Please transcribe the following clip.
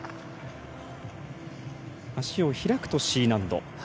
足を開くと、Ｃ難度。